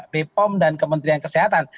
bepom dan kementerian kesehatan